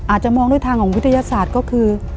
อาจจะมองด้วยทางของวิทยาศาสตร์ก็คือ